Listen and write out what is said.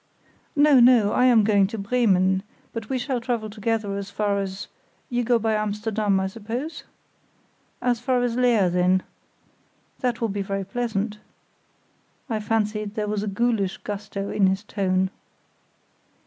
"No, no! I am going to Bremen; but we shall travel together as far as—you go by Amsterdam, I suppose?—as far as Leer, then. That will be very pleasant." I fancied there was a ghoulish gusto in his tone.